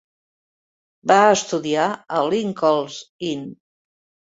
Va estudiar a Linconln's Inn.